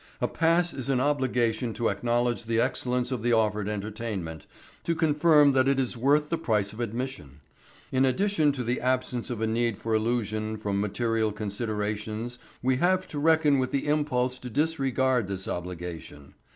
A pass is an obligation to acknowledge the excellence of the offered entertainment, to confirm that it is worth the price of admission. In addition to the absence of a need for illusion from material considerations we have to reckon with the impulse to disregard this obligation.